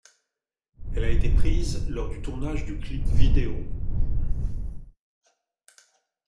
Elle a été prise lors du tournage du clip vidéo.